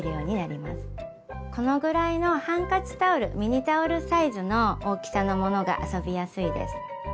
このぐらいのハンカチタオルミニタオルサイズの大きさのものが遊びやすいです。